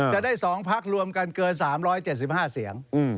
จะได้สองภาครวมกันเกิน๓๗๕เสียง